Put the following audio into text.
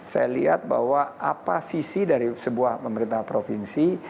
saya lihat bahwa apa visi dari sebuah pemerintah provinsi